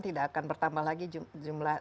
tidak akan bertambah lagi jumlah